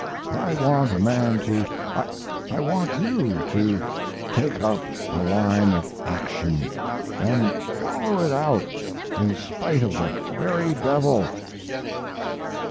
I want a man to I want you to take up a line of action, and follow it out, in spite of the very devil.